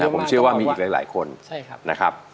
ผมเชื่อว่ามีอีกหลายคนนะครับ